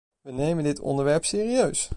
Wij nemen dit onderwerp serieus.